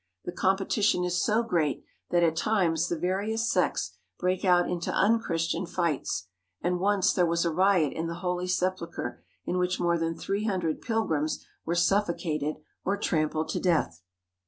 The competition is so great that at times the various sects break out into unchristian fights, and once there was a riot in the Holy Sepulchre in which more than three hundred pilgrims were suf focated or trampled to death.